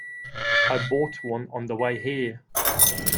I bought one on the way here.